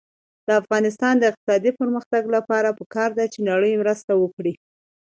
د افغانستان د اقتصادي پرمختګ لپاره پکار ده چې نړۍ مرسته وکړي.